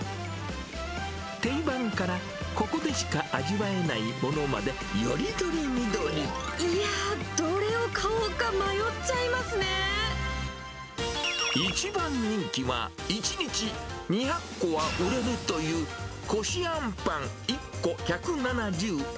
定番からここでしか味わえないものまで、いやぁ、どれを買おうか迷っ一番人気は、１日２００個は売れるというこしあんぱん１個１７０円。